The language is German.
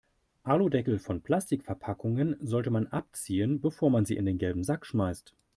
Aludeckel von Plastikverpackungen sollte man abziehen, bevor man sie in den gelben Sack schmeißt.